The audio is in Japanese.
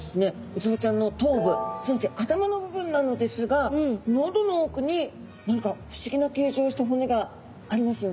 ウツボちゃんの頭部すなわち頭の部分なのですが喉の奥に何か不思議な形状をした骨がありますよね。